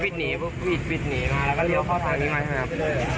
บิดหนีบุ๊บบิดบิดหนีมาแล้วก็เลี่ยวเข้าถังนี้มานะครับ